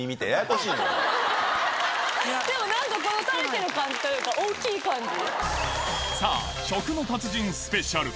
でも何かこの垂れてる感じというか大きい感じ。